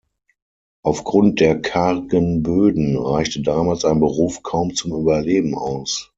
Aufgrund der kargen Böden reichte damals ein Beruf kaum zum Überleben aus.